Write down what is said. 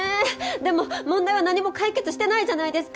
でも問題は何も解決してないじゃないですか。